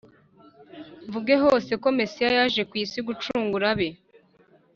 Muvuge hose ko mesiya yaje kw’isi gucungura abe